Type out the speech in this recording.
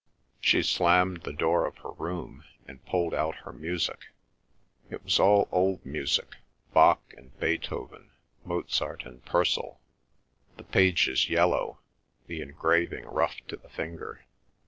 She slammed the door of her room, and pulled out her music. It was all old music—Bach and Beethoven, Mozart and Purcell—the pages yellow, the engraving rough to the finger.